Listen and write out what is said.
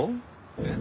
えっ？